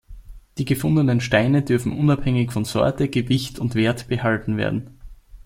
Die gefundenen Steine dürfen unabhängig von Sorte, Gewicht und Wert behalten werden.